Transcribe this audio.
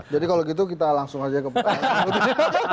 jadi kalau gitu kita langsung aja ke penjelasan